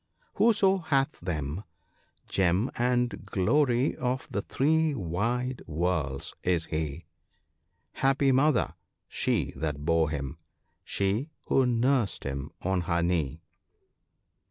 Whoso hath them, gem and glory of the three wide worlds ( 20 ) is he ; Happy mother she that bore him, she who nursed him on her knee."